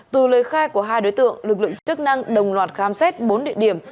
đối khai của hai đối tượng lực lượng chức năng đồng loạt khám xét bốn địa điểm